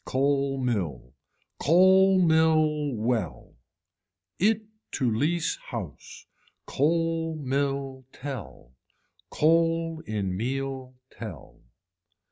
Coal mill. Coal mill well. It to lease house. Coal mill tell. Coal in meal tell.